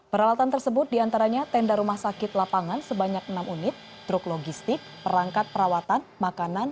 peralatan tersebut diantaranya tenda rumah sakit lapangan sebanyak enam unit truk logistik perangkat perawatan makanan